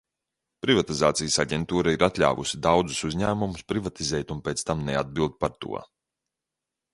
Privatizācijas aģentūra ir atļāvusi daudzus uzņēmumus privatizēt un pēc tam neatbild par to.